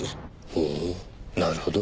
ほうなるほど。